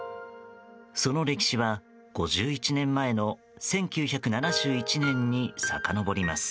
その歴史は５１年前の１９７１年にさかのぼります。